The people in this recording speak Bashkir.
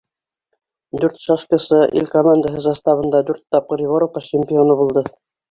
Дүрт шашкасы ил командаһы составында дүрт тапҡыр Европа чемпионы булды.